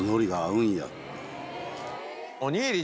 おにぎり。